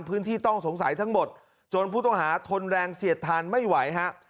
พื้นที่ต้องสงสัยทั้งหมดจนผู้ต้องหาทนแรงเสียดทานไม่ไหวฮะ